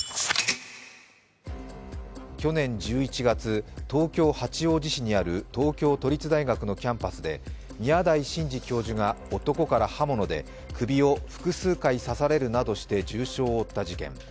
去年１１月、東京・八王子市にある東京都立大学のキャンパスで宮台真司教授が男から刃物で首を複数回刺されるなどして重傷を負った事件。